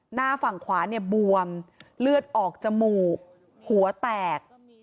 หน้าฝั่งขวาเนี่ยบวมเลือดออกจมูกหัวแตก